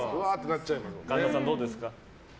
神田さん、どうですか？